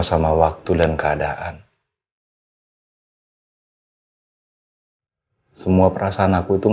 jangan kerjain makanan makanan